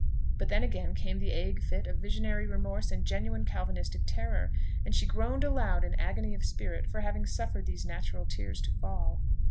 But then again came the ague fit of visionary remorse and genuine Calvinistic terror, and she groaned aloud in agony of spirit for having suffered these natural tears to fall.